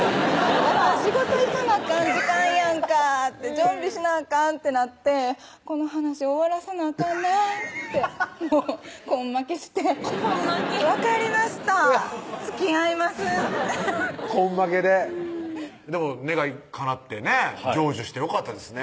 「朝仕事行かなあかん時間やんか準備しなあかん」ってなってこの話終わらさなあかんなってもう根負けして「分かりましたつきあいます」って根負けででも願いかなってね成就してよかったですね